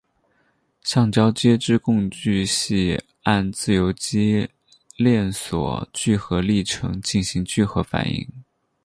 橡胶接枝共聚系按自由基链锁聚合历程进行聚合反应。